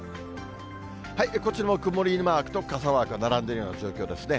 こちら、曇りマークと傘マークが並んでるような状況ですね。